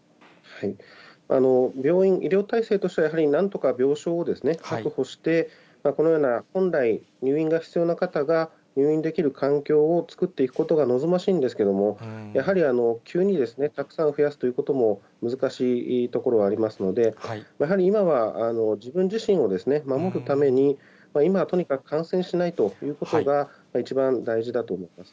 病院、医療体制としては、やはりなんとか病床を確保して、このような本来、入院が必要な方が入院できる環境を作っていくことが望ましいんですけれども、やはり、急にたくさん増やすということも難しいところはありますので、やはり今は自分自身を守るために、今、とにかく感染しないということが一番大事だと思います。